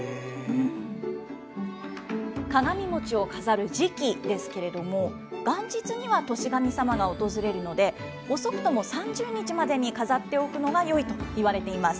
鏡餅を飾る時期ですけれども、元日には年神様が訪れるので、遅くとも３０日までに飾っておくのがよいといわれています。